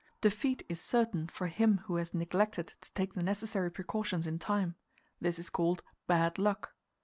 Defeat is certain for him who has neglected to take the necessary precautions in time; this is called bad luck.